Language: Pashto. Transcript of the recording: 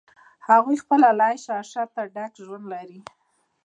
هغوی خپله له عیش و عشرته ډک ژوند لري.